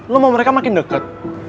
lo mau mereka makin dekat